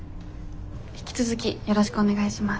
引き続きよろしくお願いします。